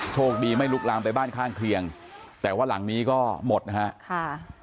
โชคดีไม่ลุกลามไปบ้านข้างเคียงแต่ว่าหลังนี้ก็หมดนะฮะค่ะ